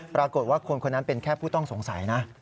ปรากฏว่าคนคนนั้นเป็นแค่ผู้ต้องสงสัยนะ